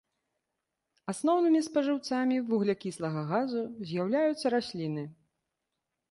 Асноўнымі спажыўцамі вуглякіслага газу з'яўляюцца расліны.